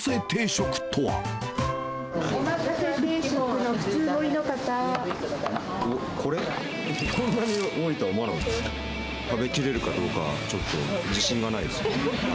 食べきれるかどうか、ちょっと自信がないですね。